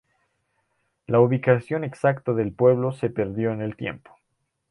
La ubicación exacta del pueblo se perdió en el tiempo.